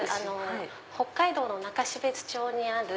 北海道の中標津町にある。